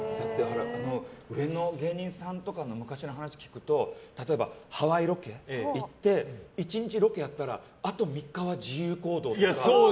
上の芸人さんの話とかを聞くと例えばハワイロケに行って１日ロケやったらあと３日は自由行動とか。